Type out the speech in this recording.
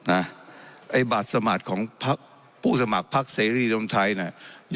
ไอบัตรสมัครของผู้สมัครภักดิ์เสริมทัยเนี่ย